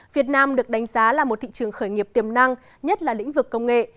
việt nam được đánh giá là một thị trường khởi nghiệp tiềm năng nhất là lĩnh vực công nghệ